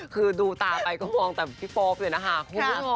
คือดูตาไปก็มองแต่พี่โป๊ปเลยนะคะคุณ